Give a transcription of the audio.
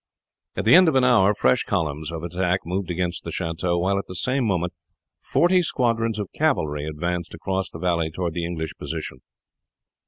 At the end of an hour fresh columns of attack moved against the chateau, while at the same moment forty squadrons of cavalry advanced across the valley toward the English position.